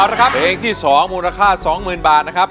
วตะครับเดงที่๒มูลค่า๒๐๐๐๐บาทนะครับ